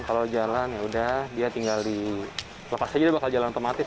kalau jalan ya udah dia tinggal di lokasi dia bakal jalan otomatis